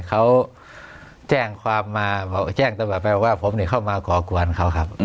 เขาแจ้งตัวแบบแปลว่าเดี๋ยวผมเนี่ยเข้ามากลอกวนเขาครับ